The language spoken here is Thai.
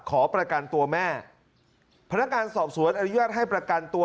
ขอประกันตัวแม่พนักงานสอบสวนอนุญาตให้ประกันตัว